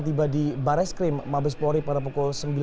tiba di baris krim mabespori pada pukul sembilan waktu indonesia barat